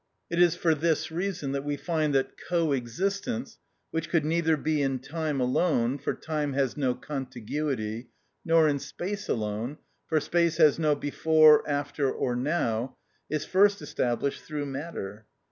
It is for this reason that we find that co existence, which could neither be in time alone, for time has no contiguity, nor in space alone, for space has no before, after, or now, is first established through matter.